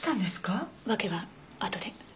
訳はあとで。